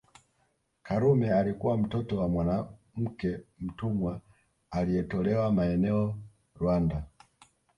Karume alikuwa mtoto wa mwanamke mtumwa alietolewa maeneo Rwanda